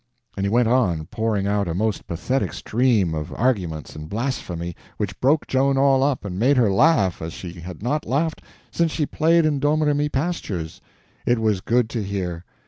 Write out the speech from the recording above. And he went on, pouring out a most pathetic stream of arguments and blasphemy, which broke Joan all up, and made her laugh as she had not laughed since she played in the Domremy pastures. It was good to hear.